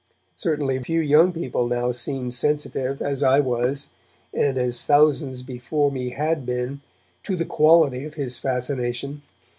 Certainly few young people now seem sensitive, as I was, and as thousands before me had been, to the quality of his fascination.